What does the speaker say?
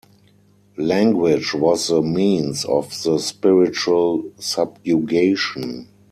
Language was the means of the spiritual subjugation.